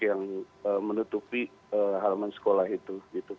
yang menutupi halaman sekolah itu